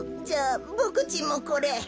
じゃあボクちんもこれ。